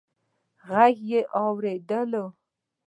غږ يې واورېد: